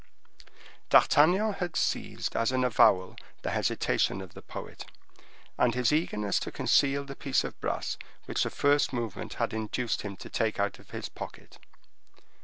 D'Artagnan had seized as an avowal the hesitation of the poet, and his eagerness to conceal the piece of brass which a first movement had induced him to take out of his pocket.